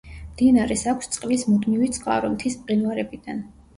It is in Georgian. მდინარეს აქვს წყლის მუდმივი წყარო მთის მყინვარებიდან.